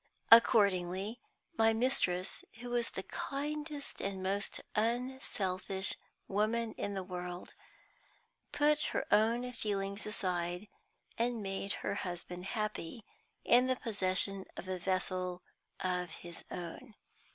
Accordingly, my mistress, who was the kindest and most unselfish woman in the world, put her own feelings aside, and made her husband happy in the possession of a vessel of his own.